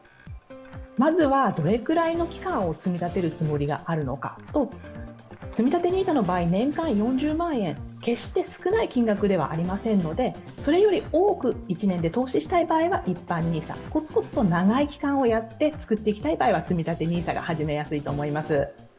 まずはどれくらいの期間を積み立てるつもりがあるのかと、つみたてＮＩＳＡの場合、年間４０万円決して少ない金額ではありませんので、それより多く１年で投資したい場合はつみたてＮＩＳＡ、コツコツと長い期間をやって作っていきたい場合は一般ＮＩＳＡが始めやすいと思います。